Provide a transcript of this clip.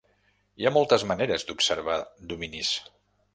Hi ha moltes maneres d'observar dominis.